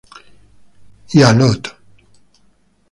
Y a Lot.